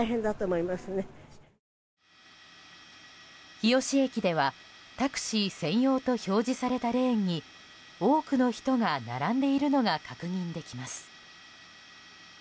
日吉駅ではタクシー専用と表示されたレーンに多くの人が並んでいるのが確認できます。